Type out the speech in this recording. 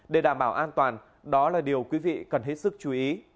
để đảm bảo an toàn đó là điều quý vị cần hết sức chú ý